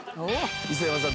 磯山さん。